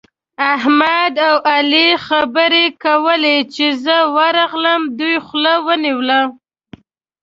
احمد او علي خبرې کولې؛ چې زه ورغلم، دوی خوله ونيوله.